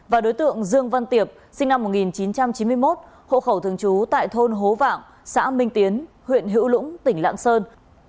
và đối tượng dương văn tiệp sinh năm một nghìn chín trăm chín mươi một hộ khẩu thường trú tại thôn hố vạn xã minh tiến huyện hữu lũng tỉnh lạng sơn